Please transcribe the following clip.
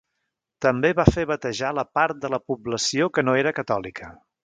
També va fer batejar a la part de la població que no era catòlica.